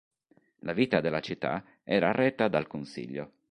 La vita della città era retta dal consiglio.